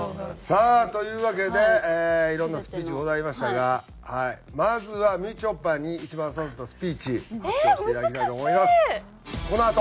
さあというわけでいろんなスピーチございましたがまずはみちょぱに一番刺さったスピーチ聞かせていただきたいと思います。